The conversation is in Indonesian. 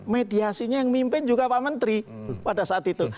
mediasinya yang mimpin juga pak menteri pada saat itu